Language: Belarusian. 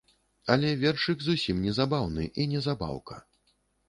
Але вершык зусім не забаўны і не забаўка.